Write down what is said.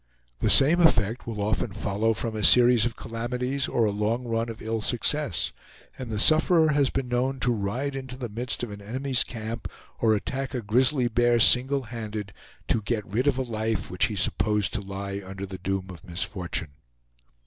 The same effect will often follow from a series of calamities, or a long run of ill success, and the sufferer has been known to ride into the midst of an enemy's camp, or attack a grizzly bear single handed, to get rid of a life which he supposed to lie under the doom of misfortune.